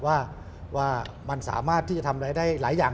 ว่ามันสามารถที่จะทำอะไรได้หลายอย่าง